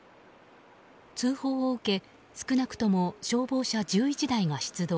通報を受け少なくとも消防車１１台が出動。